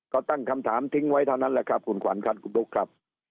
ก็ตั้งคำถามทิ้งไว้เท่านั้นแหละครับคุณขวัญครับคุณบุ๊คครับ